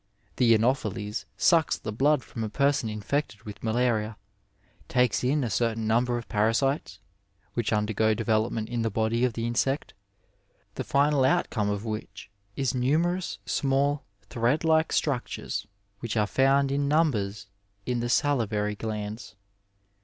The Anopheles sucks the blood from a person infected with malaria, takes in a certain number of parasites, which undergo development in the body of the insect, the final outcome of which is numerous small, thread like struc tures, which are found in numbers in the salivary glands.